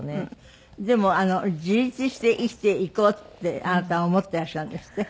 でも自立して生きていこうってあなた思っていらっしゃるんですって？